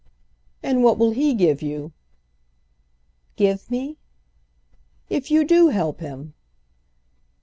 "And what will he give you?" "Give me?" "If you do help him."